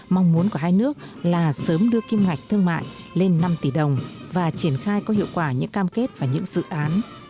mong muốn của hai nước là sớm đưa kim ngạch thương mại lên năm tỷ đồng và triển khai có hiệu quả những cam kết và những dự án